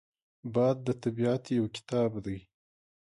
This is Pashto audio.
باد د طبیعت یو کتاب دی